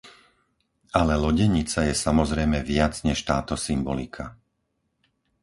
Ale lodenica je samozrejme viac než táto symbolika.